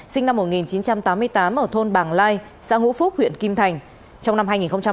sinh năm một nghìn chín trăm tám mươi tám ở thôn bàng lai xã ngũ phúc huyện kim thành trong năm hai nghìn một mươi tám